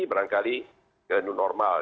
barangkali ke normal